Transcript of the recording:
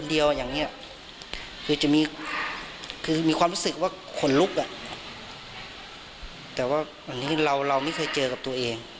แต่ว่าเราไม่เคยเจอกับตัวเอง